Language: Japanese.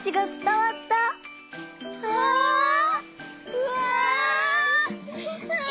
うわ！